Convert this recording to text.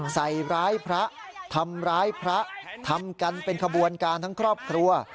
ใส่ร้ายพระทำร้ายพระทำกันเป็นขบวนการทั้งครอบครัว